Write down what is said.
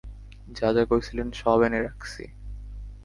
যা যা কইসিলেন সব এনে রাখসি!